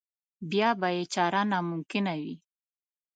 بیا به یې چاره ناممکنه وي.